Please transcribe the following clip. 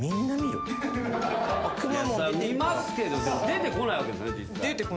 そりゃ見ますけど出てこないわけですよね実際。